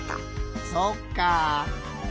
そっか。